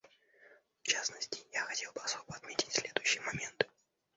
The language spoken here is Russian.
В частности, я хотел бы особо отметить следующее моменты.